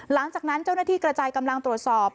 หลังจากนั้นเจ้าหน้าที่กระจายกำลังตรวจสอบ